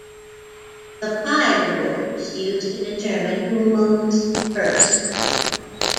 The pie rule is used to determine who moves first.